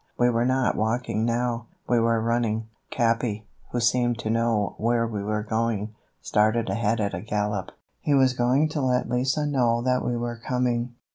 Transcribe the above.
We were not walking now, we were running. Capi, who seemed to know where we were going, started ahead at a gallop. He was going to let Lise know that we were coming.